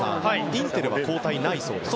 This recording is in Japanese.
インテルは交代がないそうです。